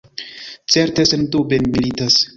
Certe, sendube, ni militas.